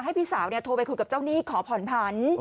พี่สาวโทรไปคุยกับเจ้าหนี้ขอผ่อนผัน